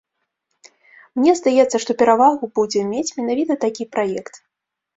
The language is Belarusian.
Мне здаецца, што перавагу будзе мець менавіта такі праект.